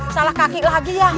salah kaki lagi ya